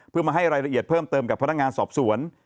เพื่อมาให้รายละเอียดเพิ่มเติมกับพนักงานสอบสวน